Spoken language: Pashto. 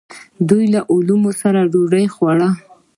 دوی به له علماوو سره ډوډۍ خوړه.